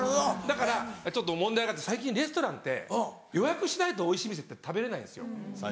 だからちょっと問題があって最近レストランって予約しないとおいしい店って食べれないんですよ。